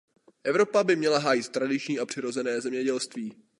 Evropa by měla hájit tradiční a přirozené zemědělství.